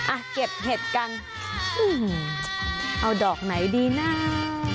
อ่ะเก็บเห็ดกันเอาดอกไหนดีนะ